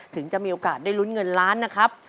ถึงจะมีโอกาสได้ลุ้นเงินล้านนะครับ